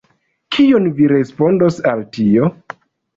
Kion vi respondos al tio?